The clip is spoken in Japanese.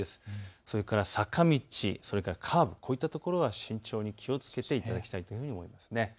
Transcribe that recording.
それから坂道、それからカーブ、こういったところは慎重に気をつけていただきたいと思います。